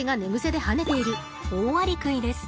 オオアリクイです。